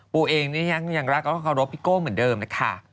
ปู่เองเนี่ยยังรักรับพี่โก้เหมือนเดิมนะคะ